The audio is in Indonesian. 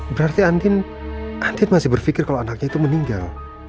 berarti antin masih berpikir kalau anaknya itu meninggal